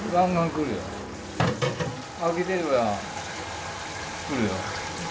開けてれば来るよ。